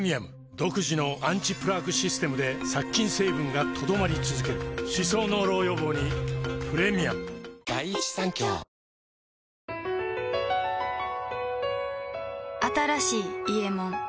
独自のアンチプラークシステムで殺菌成分が留まり続ける歯槽膿漏予防にプレミアム新しい「伊右衛門」